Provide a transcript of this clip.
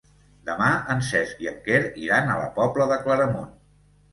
Demà en Cesc i en Quer iran a la Pobla de Claramunt.